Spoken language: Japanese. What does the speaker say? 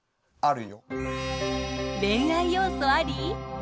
恋愛要素あり？